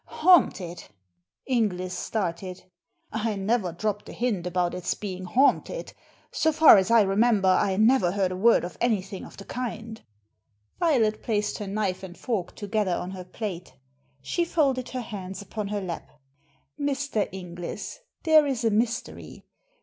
"Haunted!" Inglis started "I never dropped a hint about its being haunted So far as I remember I never heard a word of anything of the kind Violet placed her knife and fork together on her plate. She folded her hands upon her lap. "Mr. Inglis, there is a mystery.